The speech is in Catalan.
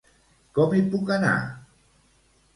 Com hi puc anar?